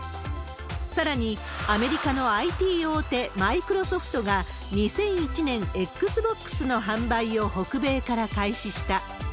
さらに、アメリカのＩＴ大手、マイクロソフトが２００１年、Ｘｂｏｘの販売を北米から開始した。